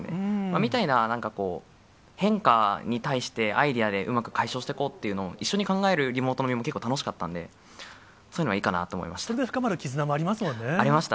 みたいな、なんかこう、変化に対して、アイデアでうまく解消していこうっていうのも、一緒に考えるリモート飲みも結構楽しかったんで、そういうのがいそれで深まる絆もありますもありました。